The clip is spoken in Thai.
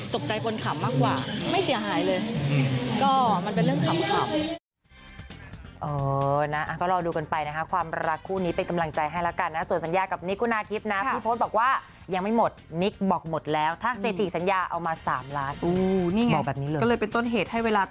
ตกใจเหมือนกันแต่ตกใจบนขับมากกว่า